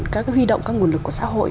các cái huy động các nguồn lực của xã hội